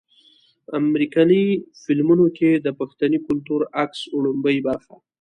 امريکني فلمونو کښې د پښتني کلتور عکس وړومبۍ برخه